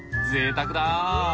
ぜいたくだ。